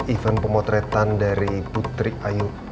event pemotretan dari putri ayu